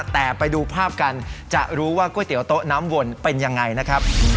แต่ไปดูภาพกันจะรู้ว่าก๋วยเตี๋ยโต๊ะน้ำวนเป็นยังไงนะครับ